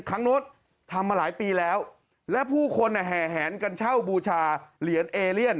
ครั้งนู้นทำมาหลายปีแล้วและผู้คนแห่แหนกันเช่าบูชาเหรียญเอเลียน